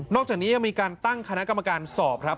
อกจากนี้ยังมีการตั้งคณะกรรมการสอบครับ